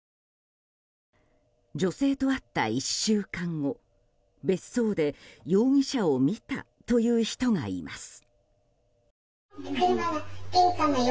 女性と会った１週間後、別荘で容疑者を見たという人がいます。